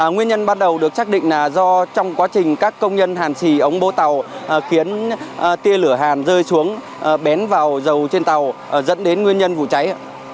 nguyên nhân bắt đầu được xác định là do trong quá trình các công nhân hàn xì ống bố tàu khiến tia lửa hàn rơi xuống bén vào dầu trên tàu dẫn đến nguyên nhân vụ cháy